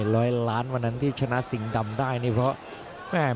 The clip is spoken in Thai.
ร้อยล้านวันนั้นที่ชนะสิ่งดำได้นี่เพราะแม่